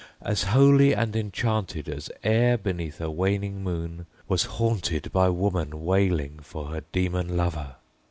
as holy and enchanted As e'er beneath a waning moon was haunted By woman wailing for her demon lover!